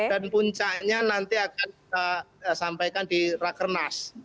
dan puncaknya nanti akan kita sampaikan di rakernas